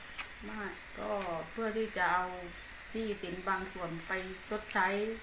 มากก็เพื่อที่จะเอาหนี้สินบางส่วนไปชดใช้